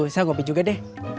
saya kopi juga deh